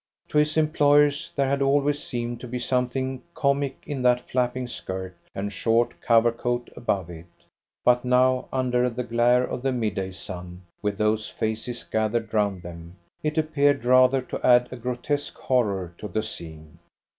To his employers there had always seemed to be something comic in that flapping skirt and short cover coat above it; but now, under the glare of the mid day sun, with those faces gathered round them, it appeared rather to add a grotesque horror to the scene.